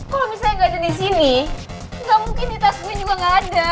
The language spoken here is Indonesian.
kalo misalnya gak ada disini gak mungkin di tas gue juga gak ada